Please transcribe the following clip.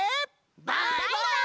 バイバイ！